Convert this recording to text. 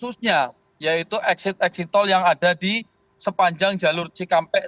khususnya yaitu exit exit tol yang ada di sepanjang jalur cikampek